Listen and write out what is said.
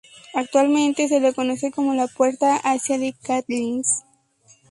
Actualmente se le conoce como la 'Puerta hacia The Catlins'.